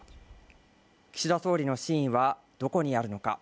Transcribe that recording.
岸田総理の真意はどこにあるのか。